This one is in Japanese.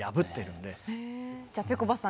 じゃあぺこぱさん